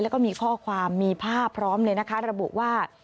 แล้วก็มีข้อความมีภาพพร้อมเลยนะคะระบุว่า